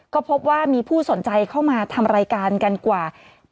ก็พบว่ามีผู้สนใจเข้ามาทำรายการกันกว่า